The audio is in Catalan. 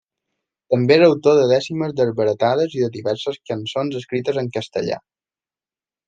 També és autor de dècimes desbaratades i de diverses cançons escrites en castellà.